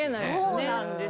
そうなんですよ。